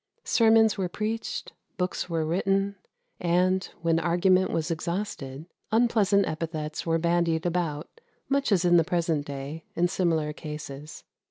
Sermons were preached; books were written; and, when argument was exhausted, unpleasant epithets were bandied about, much as in the present day, in similar cases.